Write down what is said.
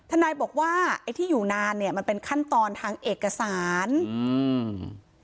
นายบอกว่าไอ้ที่อยู่นานเนี้ยมันเป็นขั้นตอนทางเอกสารอืม